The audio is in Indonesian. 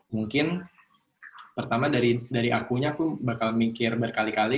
mungkin pertama dari akunya aku bakal mikir berkali kali